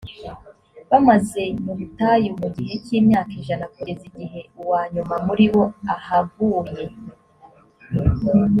bamaze mu butayu mu gihe cy’imyaka ijana kugeza igihe uwa nyuma muri bo ahaguye